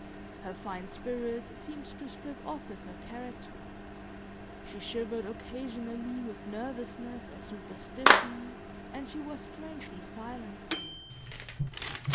Her fine spirits seemed to strip off with her character. She shivered occasionally with nervousness, or superstition, and she was strangely silent.